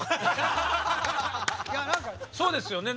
そうですよね。